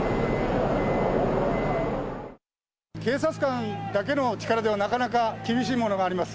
警察官だけの力ではなかなか厳しいものがあります。